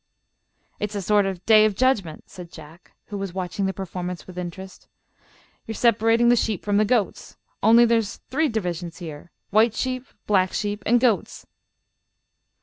"It's a sort of day of judgment," said Jack, who was watching the performance with interest. "You're separating the sheep from the goats; only there's three divisions here, white sheep, black sheep, and goats."